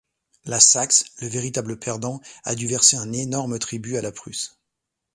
La Saxe, le véritable perdant, a dû verser un énorme tribut à la Prusse.